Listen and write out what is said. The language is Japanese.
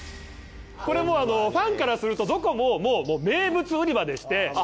これもファンからするとどこももう名物売り場でして。